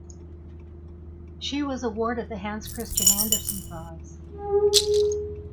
She was awarded the Hans Christian Andersen Prize.